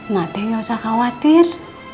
mak deh gak usah khawatir